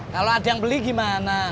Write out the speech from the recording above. kalau ada yang beli gimana